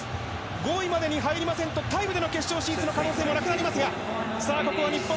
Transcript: ５位までに入りませんとタイムでの決勝進出の可能性もなくなります。